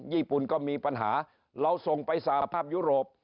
ญี่ปุ่นก็มีปัญหาเราส่งไปสหภาพยุโรป